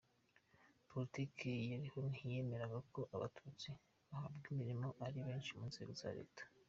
Politiki yariho ntiyemeraga ko Abatutsi bahabwa imirimo ari benshi mu nzego za leta.